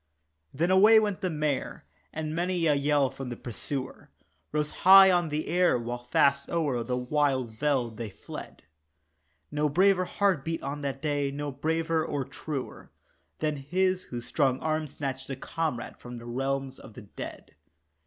Then away went the mare, and many a yell from pursuer Rose high on the air while fast o'er the wild veld they fled, No braver heart beat on that day, no braver or truer Than his whose strong arm snatched a comrade from realms of the dead.